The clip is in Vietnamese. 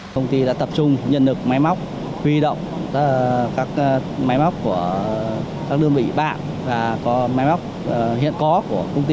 công ty đã tập trung nhận được máy móc huy động các máy móc của các đơn vị bạc và máy móc hiện có của công ty